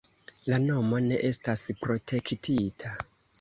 La nomo ne estas protektita.